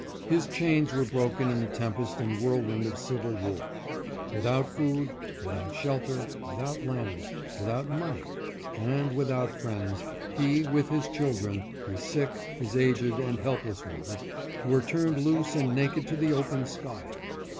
His chains were broken in the tempest and whirlwind of civil war. Without food, without shelter, without land, without money, and without friends, he, with his children, his sick, his aged and helpless ones, were turned loose and naked to the open sky.